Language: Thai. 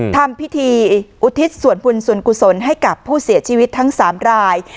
ทำพิธีอุทิศส่วนบุญส่วนกุศลให้กับผู้เสียชีวิตทั้ง๓ราย